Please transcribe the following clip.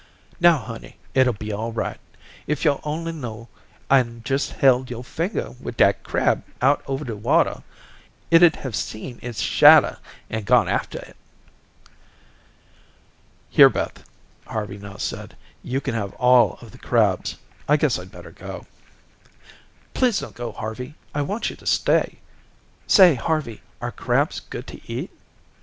"Now, honey, it'll be all right. If yo'd only known, and jes' held yo'r finger with dat crab out over the watah, it 'd have seen its shadah and gone aftah it." "Here, Beth," Harvey now said, "you can have all of the crabs; I guess I'd better go." "Please don't go, Harvey; I want you to stay. Say, Harvey, are crabs good to eat?"